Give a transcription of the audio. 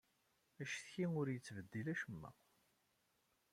Accetki ur yettbeddil acemma.